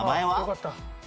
よかった。